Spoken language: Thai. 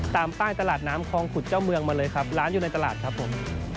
ตามป้ายตลาดน้ำคลองขุดเจ้าเมืองมาเลยครับร้านอยู่ในตลาดครับผม